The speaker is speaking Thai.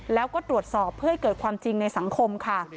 แล้วก็ตรวจสอบเพื่อให้เกิดความจริงในสังคมค่ะ